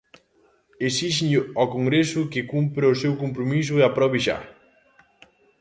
Esíxenlle ao Congreso que cumpra o seu compromiso e a aprobe xa.